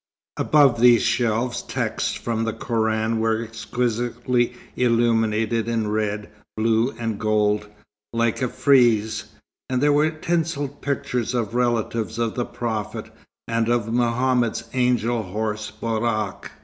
Above these shelves texts from the Koran were exquisitely illuminated in red, blue and gold, like a frieze; and there were tinselled pictures of relatives of the Prophet, and of Mohammed's Angel horse, Borak.